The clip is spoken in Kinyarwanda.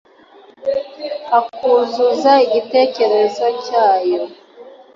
akuzuza igitekerezo cyayo